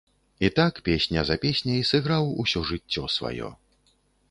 І так, песня за песняй, сыграў усё жыццё сваё.